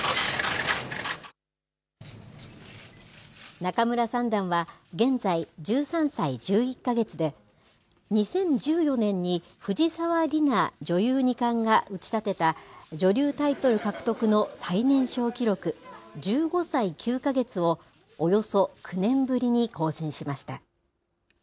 仲邑三段は、現在１３歳１１か月で、２０１４年に藤沢里菜女流二冠が打ち立てた女流タイトル獲得の最年少記録、１５歳９か月を、およそ９年ぶりに更新しました。